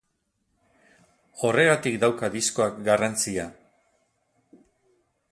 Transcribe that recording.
Horregatik dauka diskoak garrantzia.